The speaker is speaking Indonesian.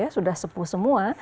sudah sepu semua